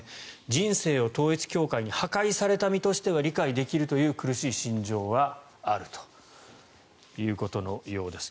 人生を統一教会に破壊された身としては理解できるという苦しい心情はあるということのようです。